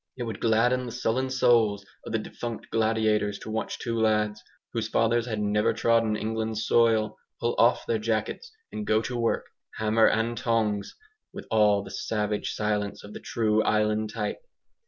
It would 'gladden the sullen souls' of the defunct gladiators to watch two lads, whose fathers had never trodden England's soil, pull off their jackets and go to work "hammer and tongs," with all the savage silence of the true island type.